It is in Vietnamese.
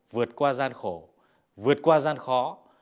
vượt qua gian khổ vượt qua gian khó